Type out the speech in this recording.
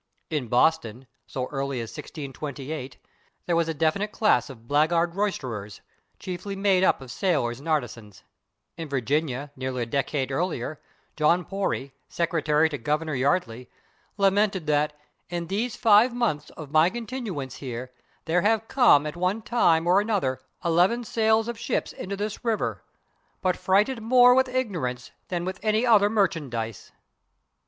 In Boston, so early as 1628, there was a definite class of blackguard roisterers, chiefly made up of sailors and artisans; in Virginia, nearly a decade earlier, John Pory, secretary to Governor Yeardley, lamented that "in these five moneths of my continuance here there have come at one time or another eleven sails of ships into this river, but fraighted more with ignorance than with any other marchansize."